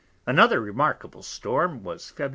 Another remarkable Storm was _Feb.